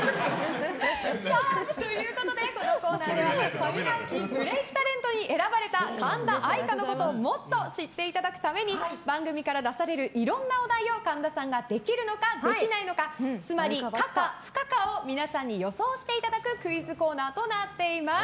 このコーナーでは上半期ブレークタレントに選ばれた神田愛花のことをもっと知っていただくために番組から出されるいろんなお題を神田さんができるのかできないのかつまり、可か不可かを皆さんに予想していただくクイズコーナーとなっています。